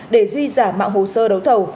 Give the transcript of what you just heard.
để duy giả mạng hồ sơ đấu thầu